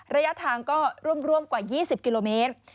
ระยะทางก็ร่วมกว่า๒๐กิโลเมตร